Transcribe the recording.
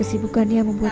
umur itu sangat berjalan